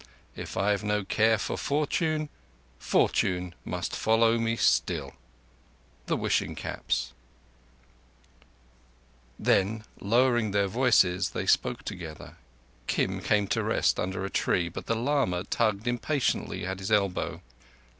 If I've no care for Fortune, Fortune must follow me still! The Wishing Caps. Then, lowering their voices, they spoke together. Kim came to rest under a tree, but the lama tugged impatiently at his elbow.